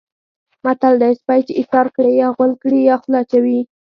متل دی: سپی چې ایسار کړې یا غول کړي یا خوله اچوي.